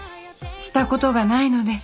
したことがないので。